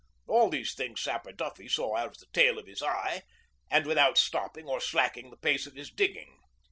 All these things Sapper Duffy saw out of the tail of his eye, and without stopping or slacking the pace of his digging.